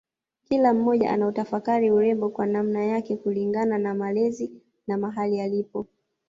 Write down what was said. Kila mmoja anautafakari urembo kwa namna yake kulingana na malezi na mahali alipo